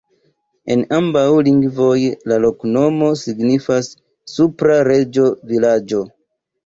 En ambaŭ lingvoj la loknomo signifas: supra-reĝo-vilaĝo.